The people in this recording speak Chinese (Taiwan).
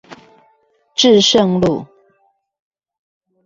至聖路